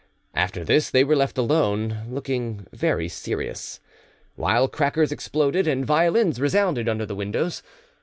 After this they were left alone, looking very serious, while crackers exploded and violins resounded under the windows.